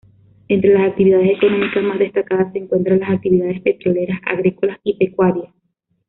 Entre las actividades económicas más destacadas se encuentran las actividades petrolera, agrícola y pecuaria.